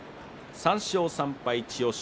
３勝３敗千代翔